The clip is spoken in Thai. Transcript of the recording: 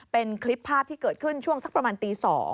เป็นคลิปภาพที่เกิดขึ้นช่วงสักประมาณตี๒